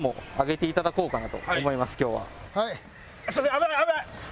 危ない危ない！